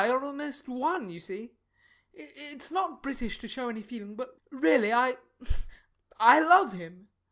He and I almost are one, you see. It's not British to show any feeling, but really I love him.